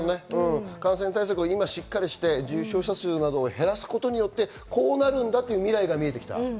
感染対策を今しっかりして重症者数を減らすことによって、こうなるんだという未来が見えてきた。